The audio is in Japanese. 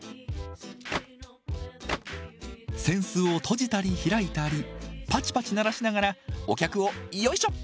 扇子を閉じたり開いたりパチパチ鳴らしながらお客をヨイショ！